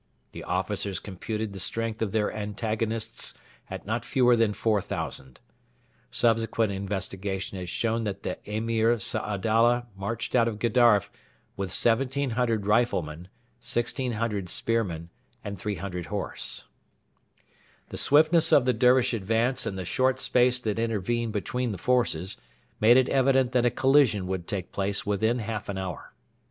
The officers computed the strength of their antagonists at not fewer than 4,000. Subsequent investigation has shown that the Emir Saadalla marched out of Gedaref with 1,700 riflemen, 1,600 spearmen, and 300 horse. The swiftness of the Dervish advance and the short space that intervened between the forces made it evident that a collision would take place within half an hour.